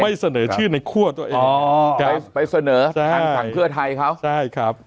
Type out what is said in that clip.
เสนอชื่อในคั่วตัวเองอ๋อไปไปเสนอทางฝั่งเพื่อไทยเขาใช่ครับ